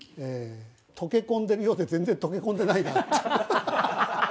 溶け込んでるようで、全然溶け込んでないなって。